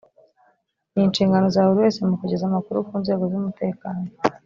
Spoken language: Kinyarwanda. ni inshingano za buri wese mu kugeza amakuru ku nzego zumutekano